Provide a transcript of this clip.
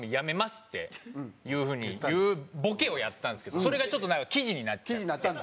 っていうボケをやったんですけどそれがちょっとなんか記事になっちゃって。